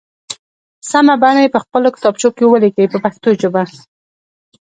سمه بڼه یې په خپلو کتابچو کې ولیکئ په پښتو ژبه.